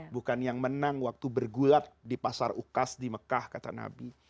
bukan yang menang waktu bergulat di pasar ukas di mekah kata nabi